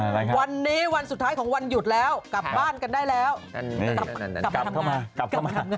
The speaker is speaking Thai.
วันนี้วันสุดท้ายของวันหยุดแล้วกลับบ้านกันได้แล้วกลับเข้ามากลับเข้ามา